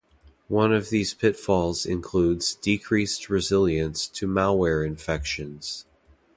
One of these pitfalls includes decreased resilience to malware infections.